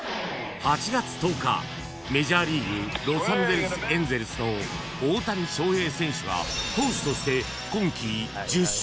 ［メジャーリーグロサンゼルスエンゼルスの大谷翔平選手が投手として］